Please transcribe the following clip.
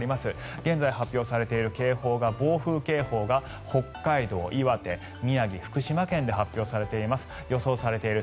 現在発表されている警報が暴風警報が北海道、岩手、宮城、福島県で発表されています。